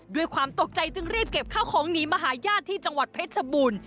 ด้วยความตกใจจึงรีบเก็บข้าวของหนีมาหาญาติที่จังหวัดเพชรชบูรณ์